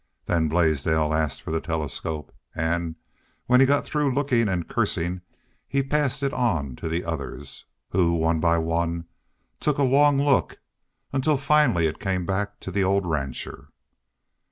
Then Blaisdell asked for the telescope and, when he got through looking and cursing, he passed it on to others, who, one by one, took a long look, until finally it came back to the old rancher.